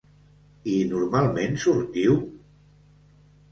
I normalment sortiu?